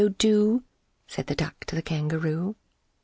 O do!" Said the Duck to the Kangaroo.